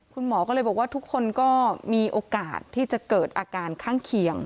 คุณหมอก็เลยบอกว่าทุกคนก็มีโอกาสที่จะเกิดอาการข้างเคียง